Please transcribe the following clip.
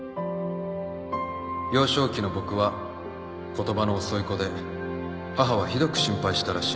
「幼少期の僕は言葉の遅い子で母はひどく心配したらしい」